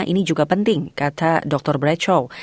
ini juga penting kata dr bretchrow